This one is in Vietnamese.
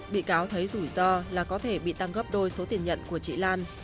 bị cáo thấy rủi ro là có thể bị tăng gấp đôi số tiền nhận của chị lan